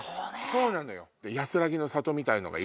そうなのよ。